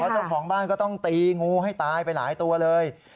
เจ้าของบ้านก็ต้องตีงูให้ตายไปหลายตัวเลย